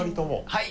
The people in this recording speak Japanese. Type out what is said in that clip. はい！